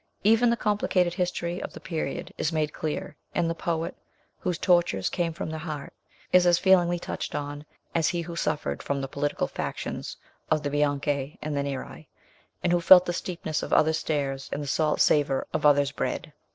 Even the complicated history of the period is made clear, and the poet, whose tortures came from the heart, is as feelingly touched on as he who suffered from the political factions of the Bianchi and the Neri, and who felt the steepness of other's stairs and the salt savour of other's bread.